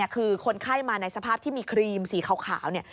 คือคนไข้มาในสภาพที่มีครีมสีขาวเนี่ย